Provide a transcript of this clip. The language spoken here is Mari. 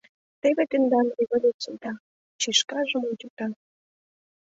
Теве тендан революцийда, — чишкажым ончыкта.